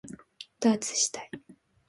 ダーツしたい